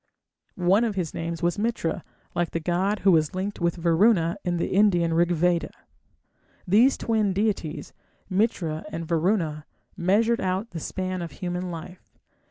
One of his names was Mitra, like the god who was linked with Varuna in the Indian Rigveda. These twin deities, Mitra and Varuna, measured out the span of human life.